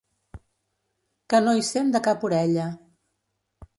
Que no hi sent de cap orella.